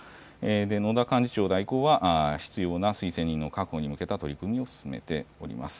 野田幹事長代行は必要な推薦人の確保に向けた取り組みを進めております。